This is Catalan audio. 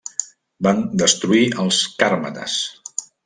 Van destruir als càrmates.